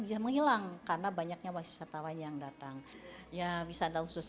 bisa menghilang karena banyaknya wisatawan yang datang ya wisata khusus